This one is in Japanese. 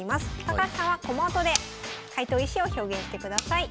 高橋さんは駒音で解答意志を表現してください。